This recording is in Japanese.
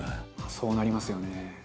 「そうなりますよね」